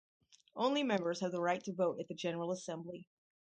Only Members have the right to vote at the General Assembly.